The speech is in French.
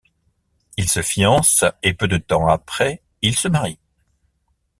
Ils se fiancent et peu de temps après ils se marient.